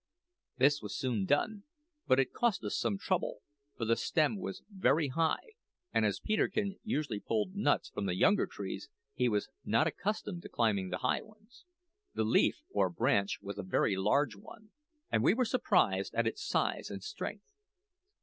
This was soon done; but it cost some trouble, for the stem was very high, and as Peterkin usually pulled nuts from the younger trees, he was not much accustomed to climbing the high ones. The leaf or branch was a very large one, and we were surprised at its size and strength.